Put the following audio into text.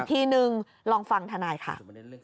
อีกทีหนึ่งลองฟังทนายค่ะ